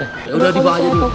ya udah dibawa aja dulu